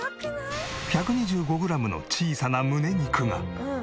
１２５グラムの小さなむね肉が。